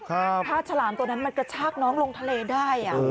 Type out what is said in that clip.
ถ้าฉลามตัวนั้นมันกระชากน้องลงทะเลได้